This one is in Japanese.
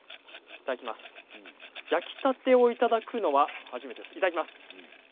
焼きたてをいただくのは初めてです。